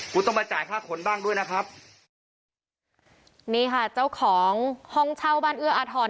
คุณต้องมาจ่ายค่าขนบ้างด้วยนะครับนี่ค่ะเจ้าของห้องเช่าบ้านเอื้ออาทร